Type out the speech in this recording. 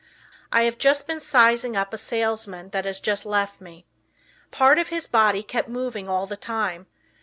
I have just been sizing up a salesman that has just left me. Part of his body kept moving all the time.